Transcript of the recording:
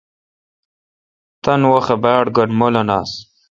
تان وحاؘ باڑ گین مولن آس۔